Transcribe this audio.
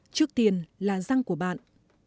trước tiên là răng của bạn